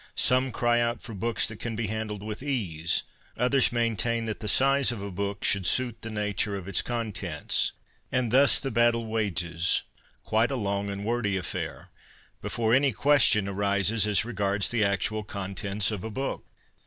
Some cry out for books that can be handled with ease ; others maintain that the size of a book should suit the nature of its contents. And thus the battle wages, quite a long and wordy affair, before any question arises as regards the actual contents of a book.